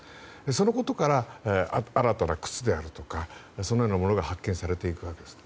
そのことから新たな靴であるとかそのようなものが発見されているわけです。